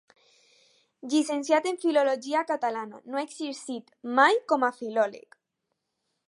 Llicenciat en filologia catalana, no ha exercit mai com a filòleg.